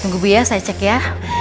tunggu bu ya saya cek ya